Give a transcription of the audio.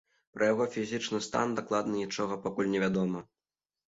Пра яго фізічны стан дакладна нічога пакуль невядома.